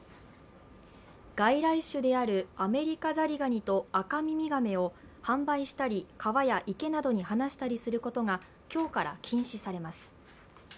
外来種であるアメリカザリガニとアカミミガメを販売したり、川や池などに放したりすることが今日から禁止されます。